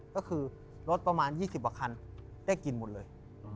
ก็คือรถประมาณ๒๐กว่าคันได้กินหมดเลย